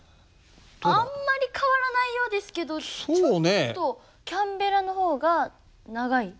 あんまり変わらないようですけどちょっとキャンベラのほうが長い？